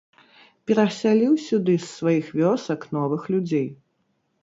Перасяліў сюды з сваіх вёсак новых людзей.